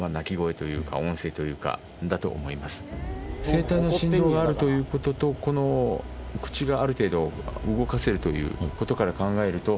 声帯の振動があるということとこの口がある程度動かせるということから考えると。